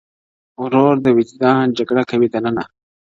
ورور د وجدان جګړه کوي دننه,